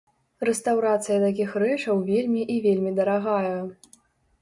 Рэстаўрацыя такіх рэчаў вельмі і вельмі дарагая.